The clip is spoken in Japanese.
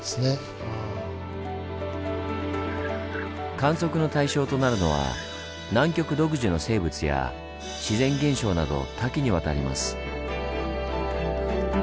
観測の対象となるのは南極独自の生物や自然現象など多岐にわたります。